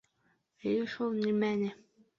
Эйе шул, нимәне?